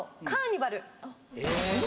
「カーニバル！」？